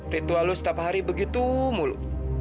ritual lo setiap hari begitu mulu